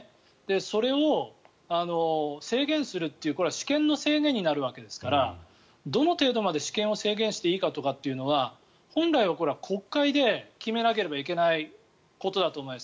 それを制限するって、これは私権の制限になるわけですからどの程度まで私権を制限していいかとかっていうのは本来はこれは国会で決めなければいけないことだと思います。